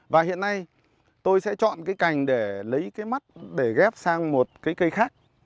và hiện nay tôi sẽ chọn cái cành để lấy cái mắt để ghép sang một cái cây khác